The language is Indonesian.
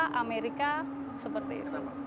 eropa amerika seperti itu